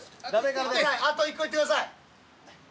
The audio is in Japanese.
あと１個いってください。